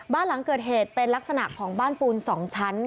บ้านหลังเกิดเหตุเป็นลักษณะของบ้านปูน๒ชั้น